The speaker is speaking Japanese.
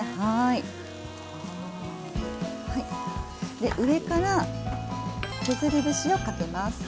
で上から削り節をかけます。